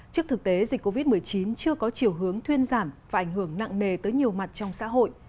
trước thực tế dịch covid một mươi chín chưa có chiều hướng thuyên giảm và ảnh hưởng nặng nề tới nhiều mặt trong xã hội